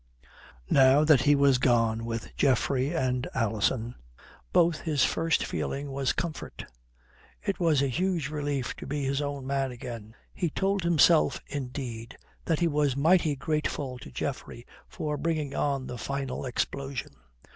Now that he was done with Geoffrey and Alison, both, his first feeling was comfort. It was a huge relief to be his own man again. He told himself indeed that he was mighty grateful to Geoffrey for bringing on the final explosion.